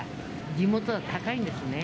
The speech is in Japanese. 地元じゃ高いんですね。